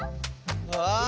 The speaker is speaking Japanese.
ああ！